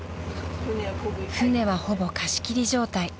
［船はほぼ貸し切り状態］